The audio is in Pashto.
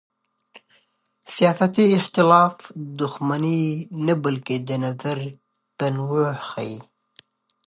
سیاسي اختلاف دښمني نه بلکې د نظر تنوع ښيي